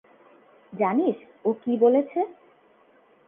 জানিস, ও কী বলেছে?